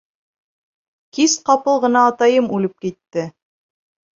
Кис ҡапыл ғына атайым үлеп китте.